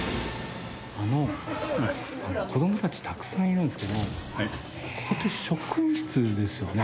あの子どもたちたくさんいるんですけどもここって職員室ですよね？